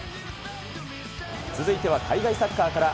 続いては海外サッカーから、